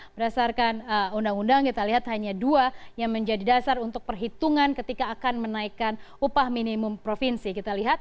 berdasarkan undang undang kita lihat hanya dua yang menjadi dasar untuk perhitungan ketika akan menaikkan upah minimum provinsi